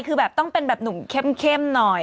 คือแบบต้องเป็นแบบหนุ่มเข้มหน่อย